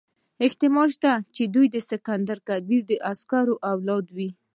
احتمال شته چې دوی د سکندر کبیر د عسکرو اولاد وي.